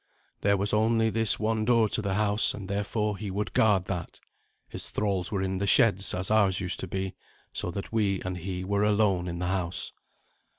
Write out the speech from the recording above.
There was only this one door to the house, and therefore he would guard that. His thralls were in the sheds, as ours used to be, so that we and he were alone in the house.